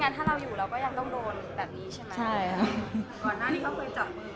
อเรนนี่มีหลังไม้ไม่มี